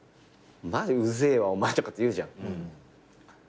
「マジうぜえわお前」とかって言うじゃん。